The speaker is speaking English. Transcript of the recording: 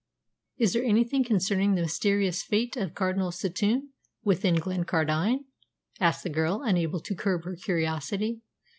"Is there anything concerning the mysterious fate of Cardinal Setoun within Glencardine?" asked the girl, unable to curb her curiosity.